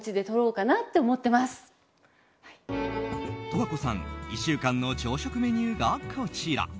十和子さん１週間の朝食メニューがこちら。